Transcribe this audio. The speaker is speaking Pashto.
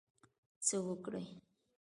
څه وکړی.